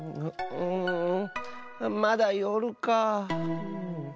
うんまだよるか。